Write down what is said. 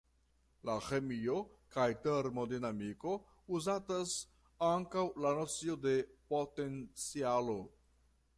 En ĥemio kaj termodinamiko uzatas ankaŭ la nocio de potencialo.